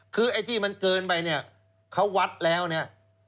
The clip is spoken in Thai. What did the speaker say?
คือไอ้ที่มันเกินไปเนี่ยเขาวัดแล้วเนี่ย